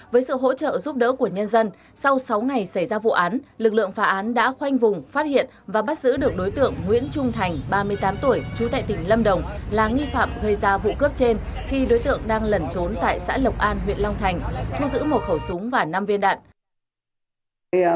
với sự hỗ trợ giúp đỡ của nhân dân sau sáu ngày xảy ra vụ án lực lượng phá án đã khoanh vùng phát hiện và bắt giữ được đối tượng nguyễn trung thành ba mươi tám tuổi trú tại tỉnh lâm đồng là nghi phạm gây ra vụ cướp trên khi đối tượng đang lẩn trốn tại xã lộc an huyện long thành thu giữ một khẩu súng và năm viên đạn